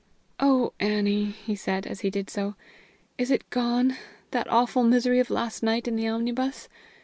"Oh, Annie!" he said, as he did so, "is it gone, that awful misery of last night in the omnibus?